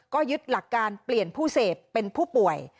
ก็ยึดหลักการเปลี่ยนผู้เสพเป็นผู้ป่วย